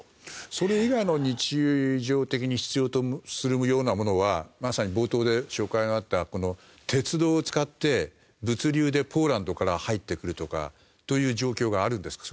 それ以外の日常的に必要とするようなものはまさに冒頭で紹介があった鉄道を使って物流でポーランドから入ってくるとかという状況があるんですか？